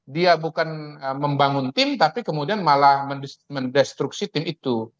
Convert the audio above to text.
dia bukan membangun tim tapi kemudian malah mendestruksi tim itu